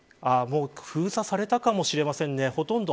もう封鎖されたかもしれませんね。